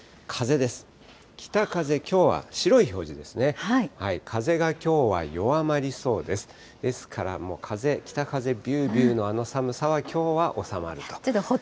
ですから、もう風、北風びゅーびゅーのあの寒さは、きょうは収まると。